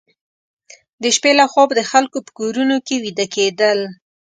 د شپې لخوا به د خلکو په کورونو کې ویده کېدل.